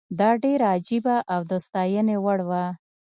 دا ډېره عجیبه او د ستاینې وړ وه.